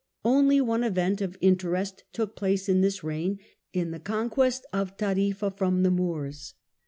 Only one event of interest took place in this reign in the conquest of Tarifa from the Moors.